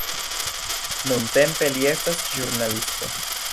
Nuntempe li estas ĵurnalisto.